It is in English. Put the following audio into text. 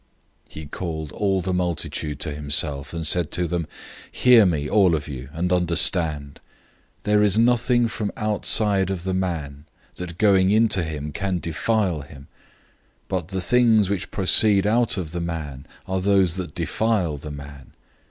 007:014 He called all the multitude to himself, and said to them, "Hear me, all of you, and understand. 007:015 There is nothing from outside of the man, that going into him can defile him; but the things which proceed out of the man are those that defile the man.